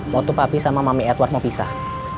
mau tupapi sama mami edward mau pisah